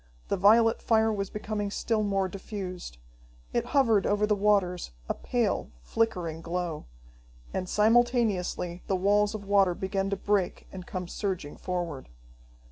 The violet fire was becoming still more diffused. It hovered over the waters, a pale, flickering glow. And simultaneously the walls of water began to break and come surging forward.